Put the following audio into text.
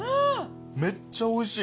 めっちゃおいしい。